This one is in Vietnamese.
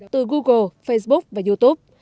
từ google facebook và youtube